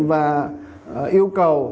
và yêu cầu